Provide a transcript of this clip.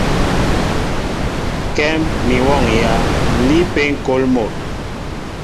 Kɛ́m mi wɔ́ŋyǎ, ǹ líí ápé ŋ̀kôl mol.